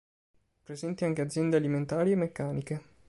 Presenti anche aziende alimentari e meccaniche.